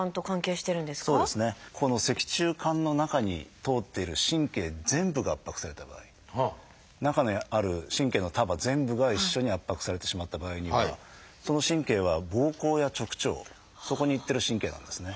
ここの脊柱管の中に通っている神経全部が圧迫された場合中にある神経の束全部が一緒に圧迫されてしまった場合にはその神経はぼうこうや直腸そこに行ってる神経なんですね。